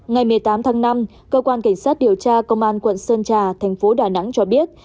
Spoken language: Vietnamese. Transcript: ngày một mươi tám tháng năm cơ quan cảnh sát điều tra công an quận sơn trà thành phố đà nẵng cho biết